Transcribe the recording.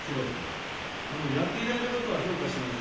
やっていただいたことは評価します。